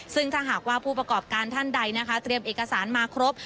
ซึ่งถ้าหากว่าผู้ประกอบการท่านใดนะคะเตรียมเอกสารมาครบ